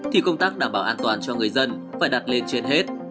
thì công tác đảm bảo an toàn cho người dân phải đặt lên trên hết